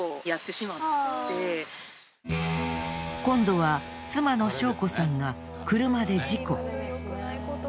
今度は妻の唱子さんが車で事故。